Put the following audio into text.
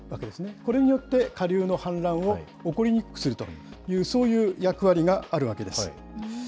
これによって下流の氾濫を起こりにくくするという、そういう役割があるわけです。